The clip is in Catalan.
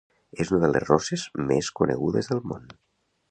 És una de les roses més conegudes del món.